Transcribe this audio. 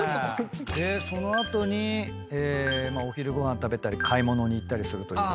その後にお昼ご飯食べたり買い物に行ったりするという。